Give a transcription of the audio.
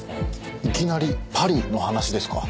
いきなりパリの話ですか？